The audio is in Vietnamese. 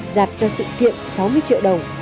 giạp cho sự kiện sáu mươi triệu đồng